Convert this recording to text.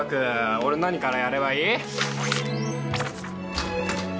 俺何からやればいい？